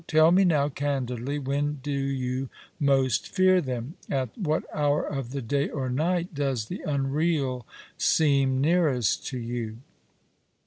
Tell me now, candidly — When do you most fear them ? At what hour of the day or night does the unreal seem nearest to you?"